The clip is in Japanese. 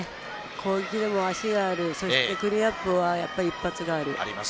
攻撃でも足があるクリーンアップは一発がある。